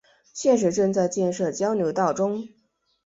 现时正在建设交流道中。